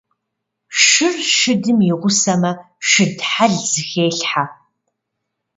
Шыр шыдым игъусэмэ, шыд хьэл зыхелъхьэ.